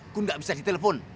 gun gak bisa ditelepon